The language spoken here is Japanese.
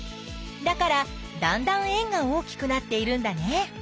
だからだんだん円が大きくなっているんだね。